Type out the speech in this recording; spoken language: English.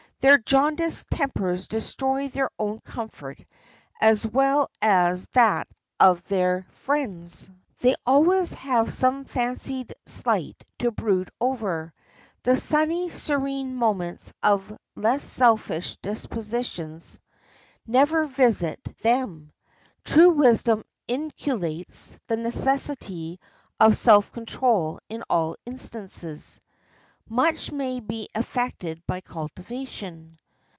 Their jaundiced tempers destroy their own comfort as well as that of their friends. They always have some fancied slight to brood over. The sunny, serene moments of less selfish dispositions never visit them. True wisdom inculcates the necessity of self control in all instances. Much may be affected by cultivation.